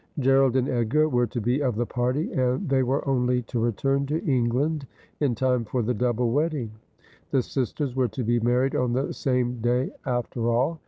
Gerald and Edgar were to be of the party, and they were only to return to England in time for the double wedding. The sisters were to be married on the same day, after all.